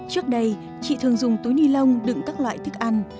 trước đây chị thường dùng túi ni lông đựng các loại thức ăn